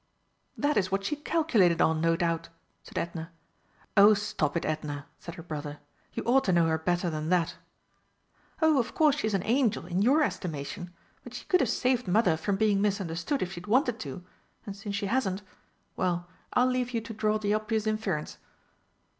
"That is what she calculated on, no doubt!" said Edna. "Oh, stop it, Edna!" said her brother, "you ought to know her better than that!" "Oh, of course she's an angel in your estimation! But she could have saved mother from being misunderstood if she'd wanted to and since she hasn't well, I'll leave you to draw the obvious inference!"